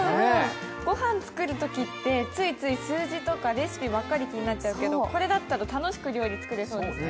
御飯作るときって、ついつい数字とかレシピばっかり気になっちゃうけどこれだったら楽しく料理作れそうですね。